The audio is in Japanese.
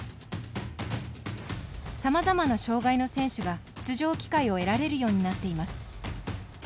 さまざまな障がいの選手が出場機会を得られるようになっています。